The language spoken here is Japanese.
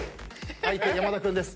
相手山田君です。